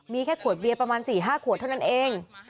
มีแค่ขวดเบียร์ประมาณ๔๕ขวดเท่านั้นเอง